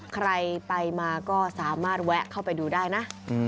ใครไปมาก็สามารถแวะเข้าไปดูได้นะ